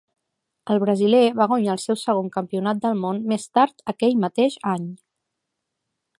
El brasiler va guanyar el seu segon Campionat del Món més tard aquell mateix any.